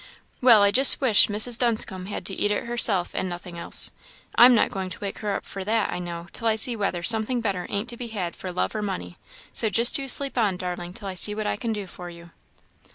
Well, I just wish Mrs. Dunscombe had to eat it herself, and nothing else! I'm not going to wake her up for that, I know, till I see whether something better ain't to be had for love or money. So just you sleep on, darling, till I see what I can do for you."